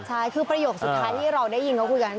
ใช่คือประโยคสุดท้ายที่เราได้ยินเขาคุยกัน